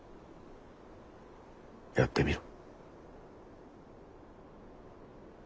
やってみろ。